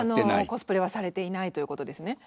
コスプレはされていないということですね。